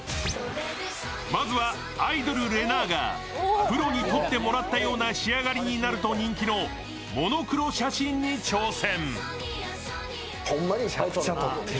まずはアイドルれなぁがプロに取ってもらうような仕上がりになると人気のモノクロ写真に挑戦。